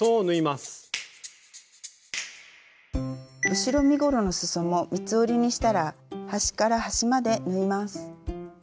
後ろ身ごろのすそも三つ折りにしたら端から端まで縫います。